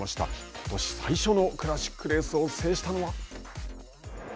ことし最初のクラシックレースを制したのは？